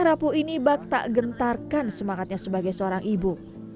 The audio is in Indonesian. rapuh ini bak tak gentarkan semangatnya sebagai seorang ibu